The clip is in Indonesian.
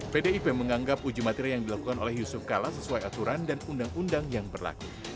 pdip menganggap uji materi yang dilakukan oleh yusuf kala sesuai aturan dan undang undang yang berlaku